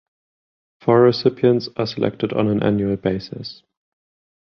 Four recipients are selected on an annual basis.